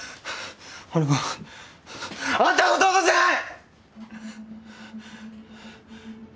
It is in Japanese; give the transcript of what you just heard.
俺はあんたの弟じゃない！